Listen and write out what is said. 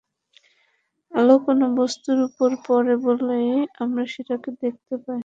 আলো কোনো বস্তুর ওপর পড়ে বলেই আমরা সেটাকে দেখতে পাই।